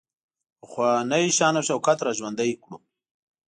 پخوانی شان او شوکت را ژوندی کړو.